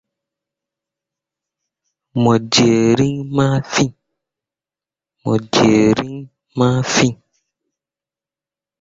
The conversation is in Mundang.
Mo jerre rĩĩ ma fîi.